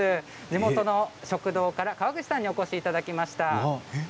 地元の食堂から川口さんにお越しいただきました。